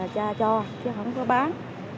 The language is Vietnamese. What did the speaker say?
cha cho chứ không có bán